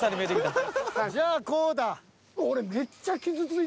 じゃあこうだ。